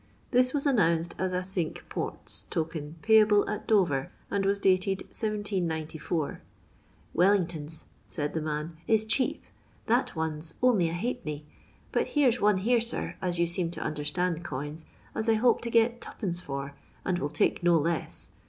This was announced as a " Cinque Ports token payable at Dover," and was dated 1794. " Wellingtons," said the man, " is cheap ; that one 's only a half penny, but here *s one here, sir, as you seem to imderstand coins, as I hope to get 2d. for, and will take no less.